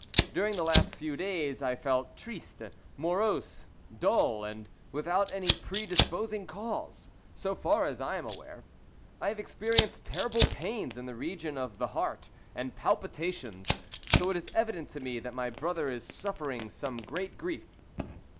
During the last few days I felt triste, morose, dull, and without any predisposing cause, so far as I am aware. I have experienced terrible pains in the region of the heart, and palpitations, so it is evident to me that my brother is suffering some great grief."